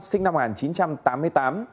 sinh năm một nghìn chín trăm tám mươi tám